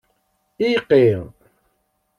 Iqi.